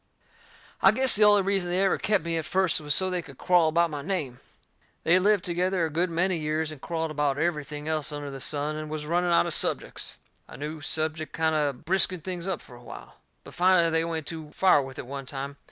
I guess the only reason they ever kep' me at first was so they could quarrel about my name. They'd lived together a good many years and quarrelled about everything else under the sun, and was running out of subjects. A new subject kind o' briskened things up fur a while. But finally they went too far with it one time.